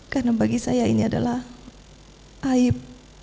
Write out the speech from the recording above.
karena bagi saya ini adalah aib